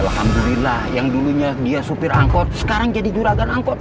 alhamdulillah yang dulunya dia supir angkot sekarang jadi juragan angkot